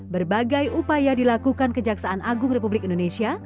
berbagai upaya dilakukan kejaksaan agung republik indonesia